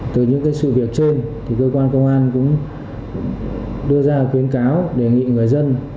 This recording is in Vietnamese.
từ những sự việc trên cơ quan công an cũng đưa ra khuyến cáo đề nghị người dân